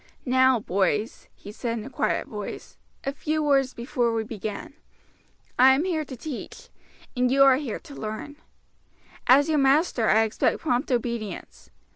"Now, boys," he said in a quiet voice, "a few words before we begin. I am here to teach, and you are here to learn. As your master I expect prompt obedience.